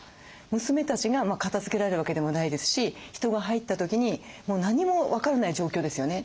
娘たちが片づけられるわけでもないですし人が入った時に何も分からない状況ですよね。